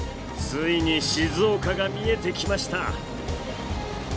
ついに静岡が見えてきました。